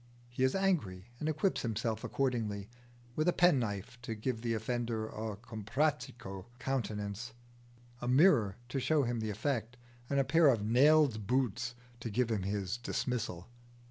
He is angry and equips himself accordingly with a penknife to give the offender a comprachico countenance, a mirror to show him the effect, and a pair of nailed boots to give him his dismissal.